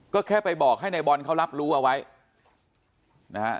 ก็แค่ไปบอกให้นายบอลเขารับรู้เอาไว้นะฮะ